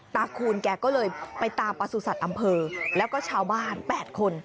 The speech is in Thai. คูณแกก็เลยไปตามประสุทธิ์อำเภอแล้วก็ชาวบ้าน๘คน